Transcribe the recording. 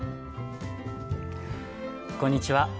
こんにちは。